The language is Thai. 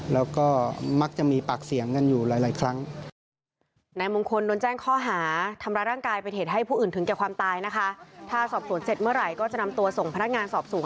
แล้วก็มักจะมีปากเสียงกันอยู่หลายครั้ง